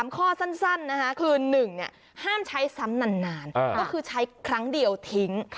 ข้อสั้นนะคะคือ๑ห้ามใช้ซ้ำนานก็คือใช้ครั้งเดียวทิ้ง